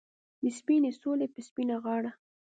د سپینې سولې په سپینه غاړه